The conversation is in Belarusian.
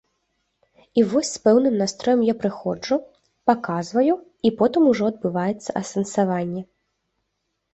І вось з пэўным настроем я прыходжу, паказваю, і потым ужо адбываецца асэнсаванне.